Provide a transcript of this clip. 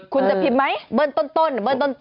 คุณจะพิมพ์ไหมเบิ้ลต้น